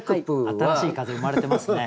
新しい風生まれてますね。